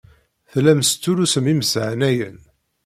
Tellam testullusem imeshanayen.